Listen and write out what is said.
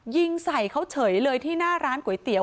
ยิงใส่เขาเฉยเลยที่หน้าร้านก๋วยเตี๋ย